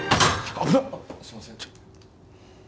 あっすいません。